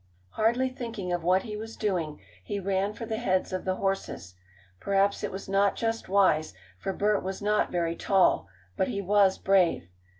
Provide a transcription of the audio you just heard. Hardly thinking of what he was doing, he ran for the heads of the horses. Perhaps it was not just wise, for Bert was not very tall, but he was brave.